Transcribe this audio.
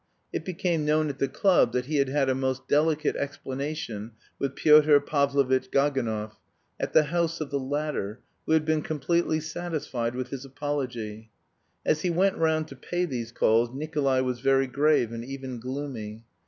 It became known at the club that he had had a most delicate explanation with Pyotr Pavlovitch Gaganov, at the house of the latter, who had been completely satisfied with his apology. As he went round to pay these calls Nikolay was very grave and even gloomy.